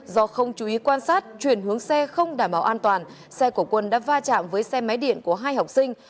do không chú ý quan sát chuyển hướng xe không đảm bảo an toàn xe của quân đã va chạm với xe máy điện của hai học sinh